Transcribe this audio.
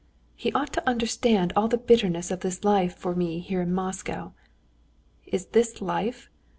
He ought to understand all the bitterness of this life for me here in Moscow. Is this life?